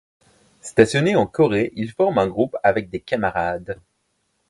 Stationné en Corée, il forme un groupe avec des camarades.